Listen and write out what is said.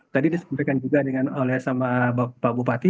tadi disampaikan juga oleh pak bupati